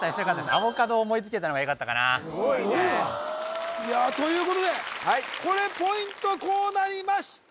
アボカド思いつけたのがよかったかなすごいねということでこれポイントこうなりました！